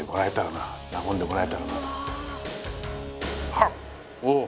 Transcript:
はっ！おっ。